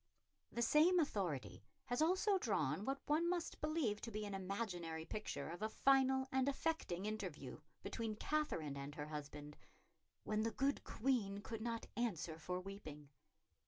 The same authority has also drawn what one must believe to be an imaginary picture of a final and affecting interview between Katherine and her husband, "when the good Queen could not answer for weeping."